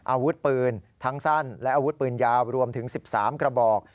อาวุธปืนทั้งสั้นและอาวุธปืนยาวรวมถึง๑๓กระบอก